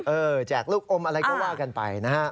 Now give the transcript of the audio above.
แจกลูกอมอะไรก็ว่ากันไปนะฮะ